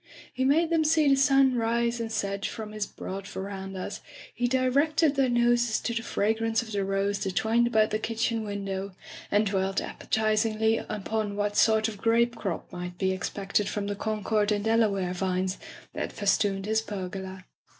He made them see the sun rise and set from his broad verandas; he directed their noses to the fragrance of the rose that twined about the kitchen window, and dwelt appetizingly upon what sort of grape crop might be ex pected from the Concord and Delaware vines that festooned his pergola.